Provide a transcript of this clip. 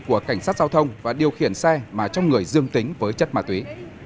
của cảnh sát giao thông và điều khiển xe mà trong người dương tính với chất ma túy